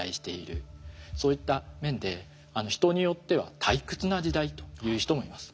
そういった面で人によっては退屈な時代と言う人もいます。